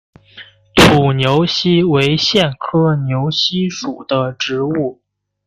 土牛膝为苋科牛膝属的植物。